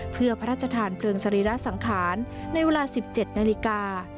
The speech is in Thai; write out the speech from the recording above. เพื่อพระราชทานเพลิงสรีระสังขารในเวลา๑๗นาฬิกา